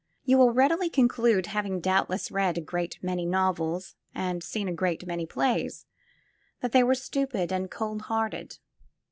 You will readily conclude, having doubt less read a great many novels and seen a great many plays, that they were stupid and cold hearted.